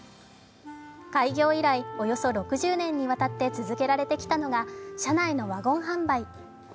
開業以来、およそ６０年にわたって続けられてきたのが車内のワゴン販売。